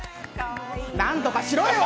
なんとかしろよ！